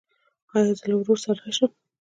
ایا زه له ورور سره راشم؟